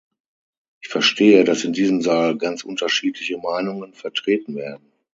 Ich verstehe, dass in diesem Saal ganz unterschiedliche Meinungen vertreten werden.